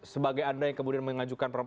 sebagai anda yang kemudian mengajukan